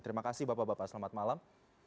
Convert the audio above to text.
terima kasih bapak bapak selamat malam